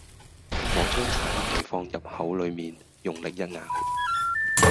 我將橙皮放入口裏面用力一咬